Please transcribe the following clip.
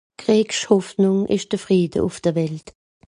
greegsch Hòffnùung esch de Frìde ùff de Welt